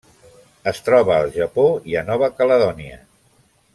Es troba al Japó i a Nova Caledònia.